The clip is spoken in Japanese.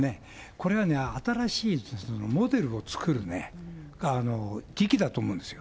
これはね、新しいモデルを作る時期だと思うんですよ。